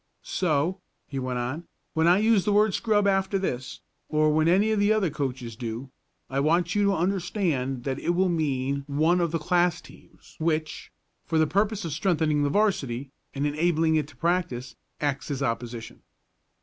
"So," he went on, "when I use the word 'scrub' after this, or when any of the other coaches do, I want you to understand that it will mean one of the class teams which, for the purpose of strengthening the 'varsity, and enabling it to practice, acts as opposition.